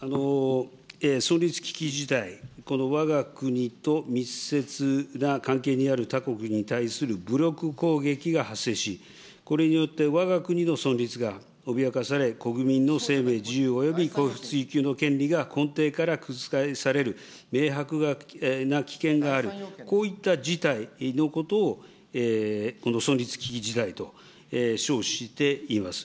存立危機事態、このわが国と密接な関係にある他国に対する武力攻撃が発生し、これによってわが国の存立が脅かされ、国民の生命、自由、および幸福追求の権利が根底から覆される明白な危険がある、こういった事態のことを、この存立危機事態と称しています。